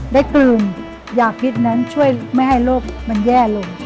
ได้ตื่นยาพิษนั้นช่วยไม่ให้โรคมันแย่ลง